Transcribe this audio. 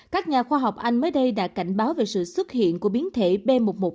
các nhà khoa học anh mới đây đã cảnh báo về sự xuất hiện của biến thể b một một năm trăm hai mươi chín